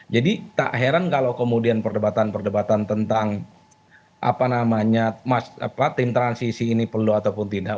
jadi tak heran kalau kemudian perdebatan perdebatan tentang apa namanya tim transisi ini perlu ataupun tidak